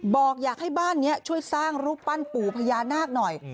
บอกอยากให้บ้านนี้ช่วยสร้างรูปปั้นปู่พญานาคหน่อย